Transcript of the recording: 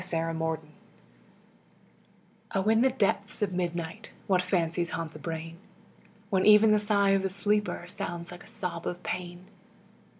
IN THE DARK O In the depths of midnight What fancies haunt the brain! When even the sigh of the sleeper Sounds like a sob of pain.